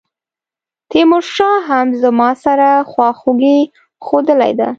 تیمورشاه هم زما سره خواخوږي ښودلې ده.